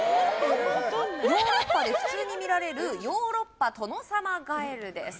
ヨーロッパで普通に見られるヨーロッパトノサマガエルです